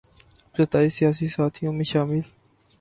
ابتدائی سیاسی ساتھیوں میں شامل